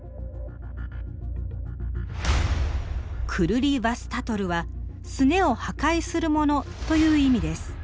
クルリヴァスタトルは「すねを破壊するもの」という意味です。